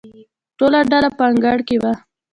ټوله ډله په انګړ کې وه.